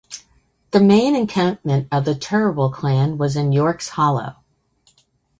The main encampment of the Turrbal clan was in "Yorks Hollow".